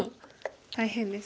大変です。